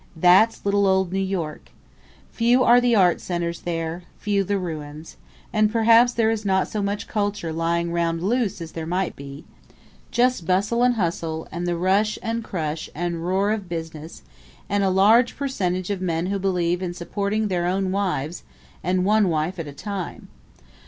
That's little old New York. Few are the art centers there, and few the ruins; and perhaps there is not so much culture lying round loose as there might be just bustle and hustle, and the rush and crush and roar of business and a large percentage of men who believe in supporting their own wives and one wife at a time.